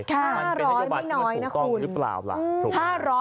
๕๐๐ไม่น้อยนะคุณถูกต้องหรือเปล่าถูกหรือเปล่า